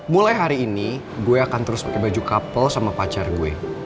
mulai hari ini gue akan terus pakai baju kapol sama pacar gue